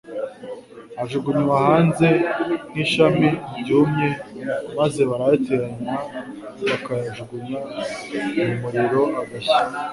ajugunywa hanze nk'ishami ryumye maze barayateranya bakayajugunya mu muriro agashya.»